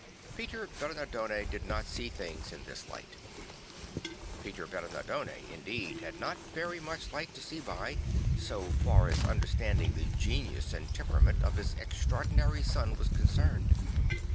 Peter Bernardone did not see things in this light. Peter Bemardone indeed had not very much light to see by, so far as understanding the genius and temperament of his extraordinary son was concerned.